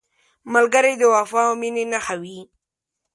ملګری د وفا او مینې نښه وي